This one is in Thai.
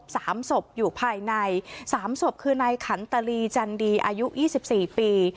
สามศพอยู่ภายในสามศพคือนายขันตลีจันดีอายุยี่สิบสี่ปี